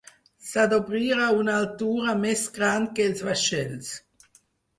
S'ha d'obrir a una altura més gran que els vaixells.